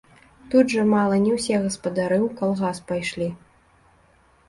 Тут жа мала не ўсе гаспадары ў калгас пайшлі.